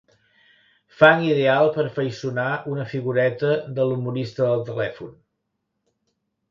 Fang ideal per afaiçonar una figureta de l'humorista del telèfon.